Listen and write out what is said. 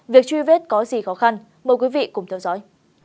việc truy vết có gì khó khăn mời quý vị cùng theo dõi